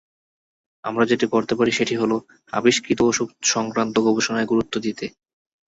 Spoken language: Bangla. আমরা যেটি করতে পারি সেটি হলো, আবিষ্কৃত ওষুধসংক্রান্ত গবেষণায় গুরুত্ব দিতে।